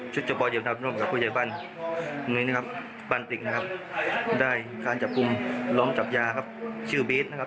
ชุดเฉพาะเดียวนับร่วมกับผู้ใจบ้านบ้านติกได้การจับปุ่มล้อมจับยาชื่อบี๊ดนะครับ